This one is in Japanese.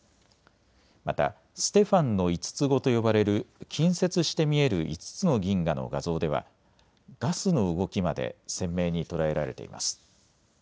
またステファンの５つ子と呼ばれる近接して見える５つの銀河の画像ではガスの動きまで鮮明に捉えられています。